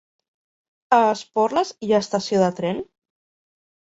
A Esporles hi ha estació de tren?